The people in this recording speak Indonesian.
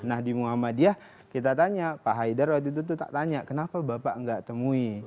nah di muhammadiyah kita tanya pak haidar waktu itu tak tanya kenapa bapak nggak temui